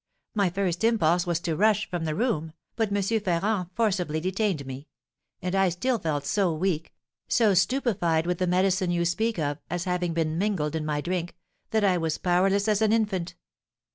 My first impulse was to rush from the room, but M. Ferrand forcibly detained me; and I still felt so weak, so stupefied with the medicine you speak of as having been mingled in my drink, that I was powerless as an infant.